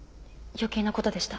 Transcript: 余計なことでした。